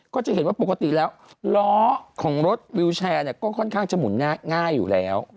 ก็จะเห็นว่าปกติแล้วล้อของรถวิวแชร์เนี่ยก็ค่อนข้างจะหมุนง่ายอยู่แล้ว